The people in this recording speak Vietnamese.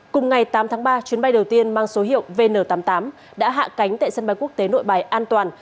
cùng ngày tám tháng ba chuyến bay đầu tiên mang số hiệu vn tám mươi tám đã hạ cánh tại sân bay quốc tế nội bài an toàn